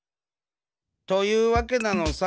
というわけなのさ。